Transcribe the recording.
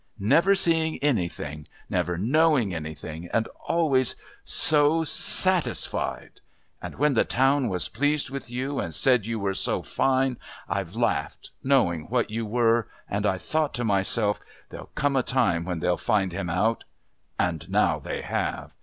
Never seeing anything, never knowing anything and always so satisfied. And when the town was pleased with you and said you were so fine I've laughed, knowing what you were, and I thought to myself, 'There'll come a time when they'll find him out' and now they have.